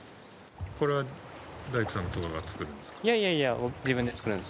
これは大工さんとかが作るんですか？